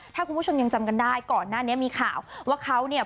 ถ้าคุณผู้ชมยังจำกันได้ก่อนหน้านี้มีข่าวว่าเขาเนี่ย